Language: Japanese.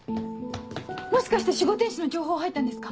もしかして守護天使の情報入ったんですか？